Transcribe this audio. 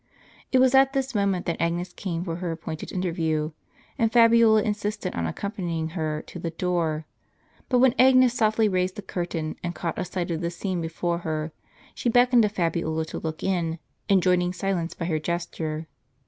It was at this moment that Agnes came for her appointed interview, and Fabiola insisted on accompanying her to the door. But when Agnes softly raised the curtain, and caught a sight of the scene before her, she beckoned to Fabiola to look in, enjoining silence by her gesture.